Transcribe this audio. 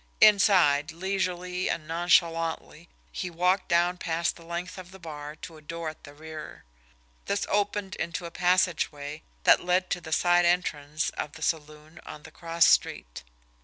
Inside leisurely and nonchalantly, he walked down past the length of the bar to a door at the rear. This opened into a passageway that led to the side entrance of the saloon on the cross street.